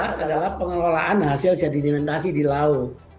yang jelas adalah pengelolaan hasil sedimentasi di laut